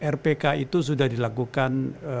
rpk itu sudah dilakukan